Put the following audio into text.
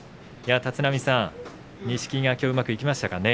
立浪さん、きょうはうまくいきましたかね